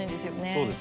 そうですね。